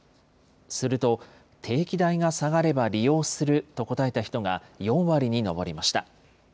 すると、定期代が下がれば利用すると答えた人が４割に上りました。